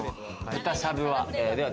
豚しゃぶは。